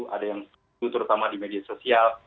ada yang setuju terutama di media sosial